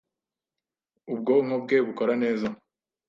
ubwonko bwe bukora neza,